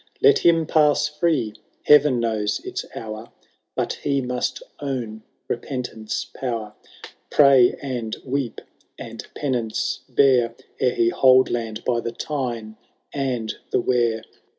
Let him pass free !— ^Heaven knows its hour^— But he must own repentance^ power. Pray and weep, and penance bear. Ere he hold land by the Tyne and the Wear.'